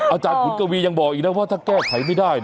ขุนกวียังบอกอีกนะว่าถ้าแก้ไขไม่ได้